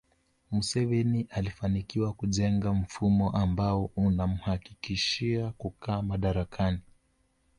Museveni alifanikiwa kujenga mfumo ambao unamhakikishia kukaa madarakani